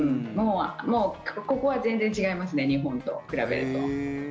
もう、ここは全然違いますね日本と比べると。